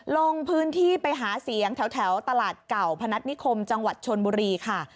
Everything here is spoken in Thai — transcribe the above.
ลงพื้นที่ไปหาเสียงแถวตลาดเก่าพนัฐนิคมจังหวัดชนบุรีค่ะ